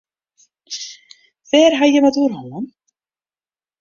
Wêr ha jim it oer hân?